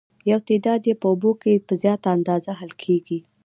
یو تعداد یې په اوبو کې په زیاته اندازه حل کیږي.